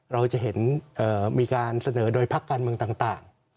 เราจะเห็นมีการเสนอโดยพักการเมืองต่าง